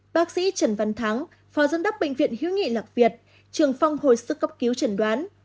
bác sĩ trần văn thắng phó dân đắc bệnh viện hiếu nghỉ lạc việt trường phong hồi sức cấp cứu trần đoán